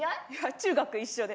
中学一緒で。